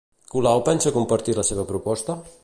Colau pensa compartir la seva proposta?